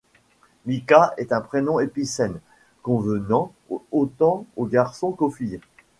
Mika est un prénom épicène, convenant autant aux garçons qu'aux filles.